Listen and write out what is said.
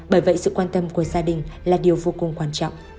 bởi vậy sự quan tâm của gia đình là điều vô cùng quan trọng